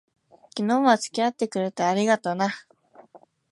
昨日は付き合ってくれて、ありがとな。